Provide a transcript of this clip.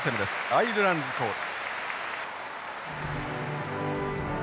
「アイルランズコール」。